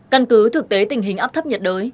căn cứ thực tế tình hình áp thấp nhiệt đới